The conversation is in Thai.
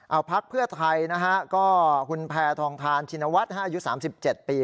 เอาพักเพื่อไทยนะฮะก็คุณแพทองทานชินวัฒน์อายุ๓๗ปี